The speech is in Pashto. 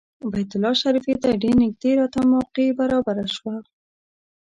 بیت الله شریفې ته ډېر نږدې راته موقع برابره شوه.